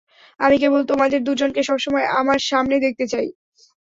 আমি কেবল তোমাদের দুজনকে সবসময় আমার সামনে দেখতে চাই।